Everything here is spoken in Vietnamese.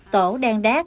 tổ đan đác